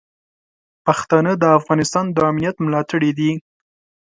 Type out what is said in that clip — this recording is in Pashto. پښتانه د افغانستان د امنیت ملاتړي دي.